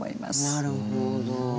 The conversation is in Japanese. なるほど。